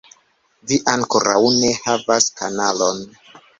Vi ankoraŭ ne havas kanalon